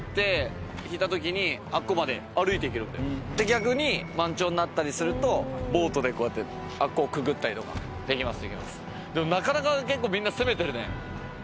逆に満潮になったりするとボートであっこをくぐったりできます。